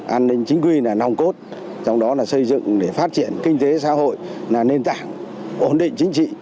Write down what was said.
an ninh chính quy là nòng cốt trong đó là xây dựng để phát triển kinh tế xã hội là nền tảng ổn định chính trị